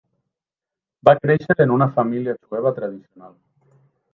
Va créixer en una família jueva tradicional.